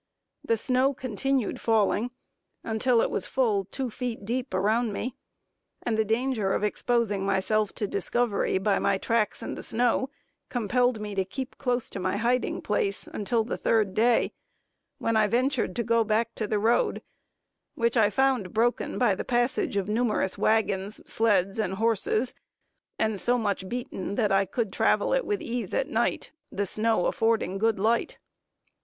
The snow continued falling, until it was full two feet deep around me, and the danger of exposing myself to discovery by my tracks in the snow, compelled me to keep close to my hiding place until the third day, when I ventured to go back to the road, which I found broken by the passage of numerous wagons, sleds and horses, and so much beaten that I could travel it with ease at night, the snow affording good light.